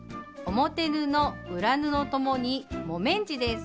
表布裏布ともに木綿地です。